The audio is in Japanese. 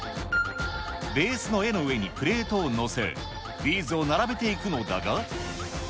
ベースの絵の上にプレートを載せ、ビーズを並べていくのだが。